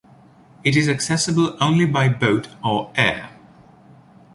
It is accessible only by boat or air.